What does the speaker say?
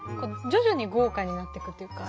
徐々に豪華になっていくっていうか